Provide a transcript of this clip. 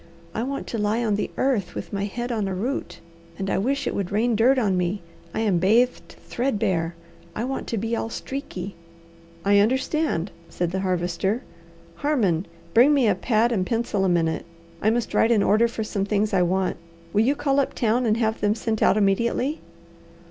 I want to lie on the earth, with my head on a root; and I wish it would rain dirt on me. I am bathed threadbare. I want to be all streaky." "I understand," said the Harvester. "Harmon, bring me a pad and pencil a minute, I must write an order for some things I want. Will you call up town and have them sent out immediately?"